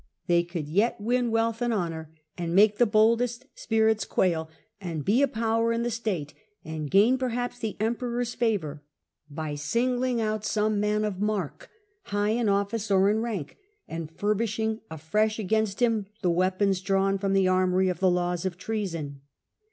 They could yet win wealth and honour, and make ,,,,... but useful the boldest spirits quail, and be a power in to the infor the state, and gain perhaps the Emperor's favour, by singling out some man of mark, high in office or in rank, and furbishing afresh against him the weapons drawn from the armoury of the laws of treason.